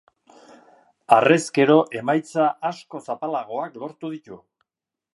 Harrezkero emaitza askoz apalagoak lortu ditu.